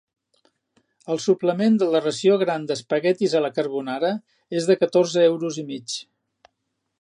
El suplement de la ració gran d'espaguetis a la carbonara és de catorze euros i mig.